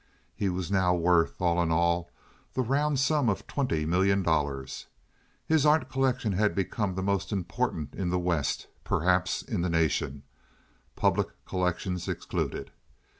He was now worth, all in all, the round sum of twenty million dollars. His art collection had become the most important in the West—perhaps in the nation, public collections excluded.